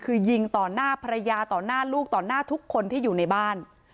คือยิงต่อหน้าภรรยาต่อหน้าลูกต่อหน้าทุกคนที่อยู่ในบ้าน